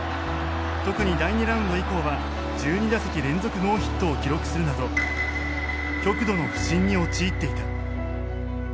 特に第２ラウンド以降は１２打席連続ノーヒットを記録するなど極度の不振に陥っていた。